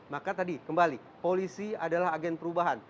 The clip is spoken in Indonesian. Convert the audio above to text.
maka tadi kembali polisi adalah agen perubahan